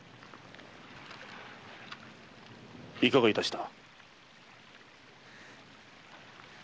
いかが致した？